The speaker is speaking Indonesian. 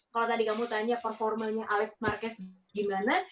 kalau tadi kamu tanya performanya alex marquez gimana